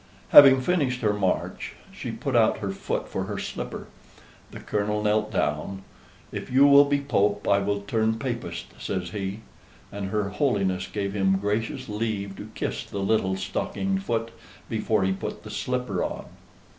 Having finished her march, she put out her foot for her slipper. The Colonel knelt down: "If you will be Pope I will turn Papist," says he; and her Holiness gave him gracious leave to kiss the little stockinged foot before he put the slipper on.